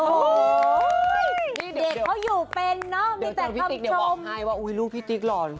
เดี๋ยวบอกให้ว่าอุ๊ยลูกพี่ติ๊กหล่อน